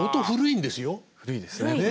古いですね。